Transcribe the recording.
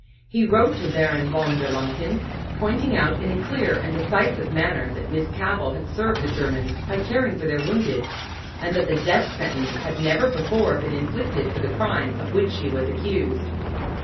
He wrote to Baron Von der Lancken, pointing out in a clear and decisive manner that Miss Cavell had served the Germans by caring for their wounded, and that the death sentence had never before been inflicted for the crime of which she was accused.